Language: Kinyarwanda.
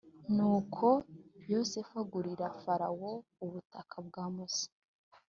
nuko yosefu agurira farawo ubutaka bwa musa